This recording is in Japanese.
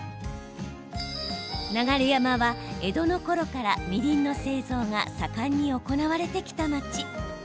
流山は、江戸のころからみりんの製造が盛んに行われてきた町。